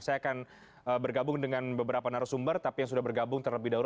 saya akan bergabung dengan beberapa narasumber tapi yang sudah bergabung terlebih dahulu